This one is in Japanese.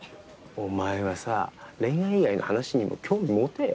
お前はさ恋愛以外の話にも興味持てよ。